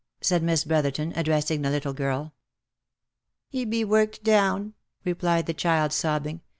said Miss Brotherton, addressing the little girl. " He be worked down," replied the child, sobbing.